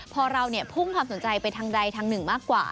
พอเราพุ่งความสนใจไปทางใดทางหนึ่งมากกว่า